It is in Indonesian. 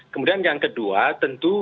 kemudian yang kedua tentu